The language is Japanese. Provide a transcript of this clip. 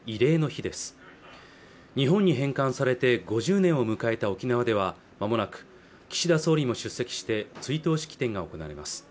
日本に返還されて５０年を迎えた沖縄では間もなく岸田総理も出席して追悼式典が行われます